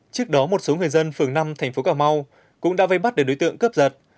trước đó một số người dân phường năm tp cm cũng đã vây bắt đến đối tượng cướp giật